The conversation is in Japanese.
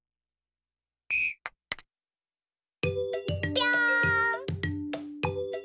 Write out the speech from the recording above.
ぴょん。